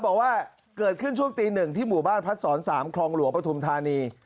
บอกว่าเกิดขึ้นช่วงตี๑ที่หมู่บ้านพัดศร๓คลองหลวงปฐุมธานี